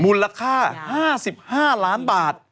มูลค่า๕๕ล้านบาท